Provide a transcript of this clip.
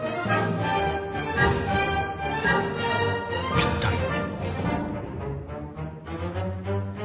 ぴったりだ。